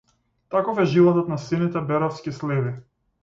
Таков е животот на сините беровски сливи.